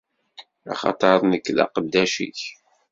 Axaṭer nekk, d aqeddac-ik.